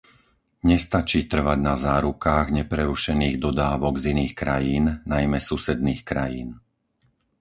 Nestačí trvať na zárukách neprerušených dodávok z iných krajín, najmä susedných krajín.